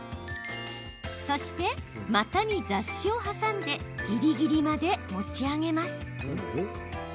そして、股に雑誌を挟んでぎりぎりまで持ち上げます。